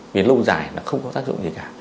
vì lâu dài là không có tác dụng gì cả